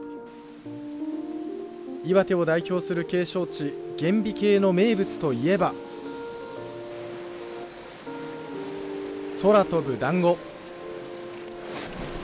岩手を代表する景勝地厳美渓の名物と言えば空飛ぶだんご。